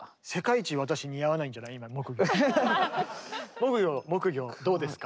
木魚木魚どうですか？